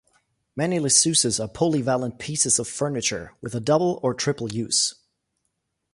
Many Liseuses are polyvalent pieces of furniture with a double or triple use.